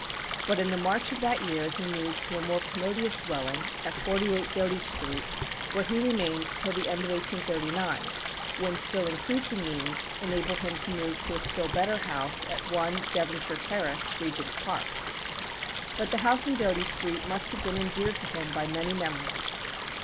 But in the March of that year he moved to a more commodious dwelling, at 48, Doughty Street, where he remained till the end of 1839, when still increasing means enabled him to move to a still better house at 1, Devonshire Terrace, Regent's Park. But the house in Doughty Street must have been endeared to him by many memories.